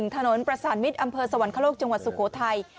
ถนนประสานมิตรอำเภอสวรรคโลกจังหวัดสุโขทัย